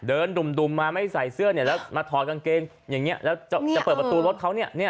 ดุ่มมาไม่ใส่เสื้อเนี่ยแล้วมาถอดกางเกงอย่างนี้แล้วจะเปิดประตูรถเขาเนี่ย